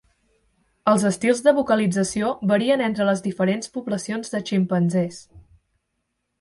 Els estils de vocalització varien entre les diferents poblacions de ximpanzés.